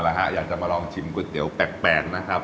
แล้วฮะอยากจะมาลองชิมก๋วยเตี๋ยวแปลกนะครับ